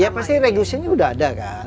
ya pasti regulasinya sudah ada kan